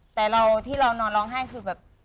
แต่เราที่เรานอนร้องไห้คือแบบ